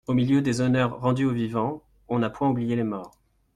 Au milieu des honneurs rendus aux vivants, on n'a point oublié les morts.